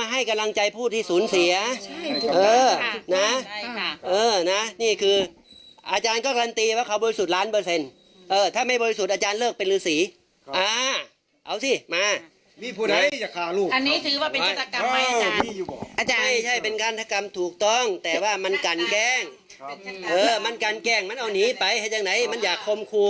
มันกันแกล้งมันเอาหนีไปให้จากไหนมันอย่าคมคู